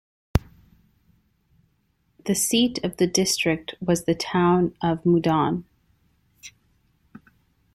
The seat of the district was the town of Moudon.